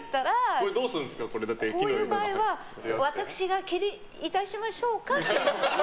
こういう場合は私がお切りいたしましょうかって。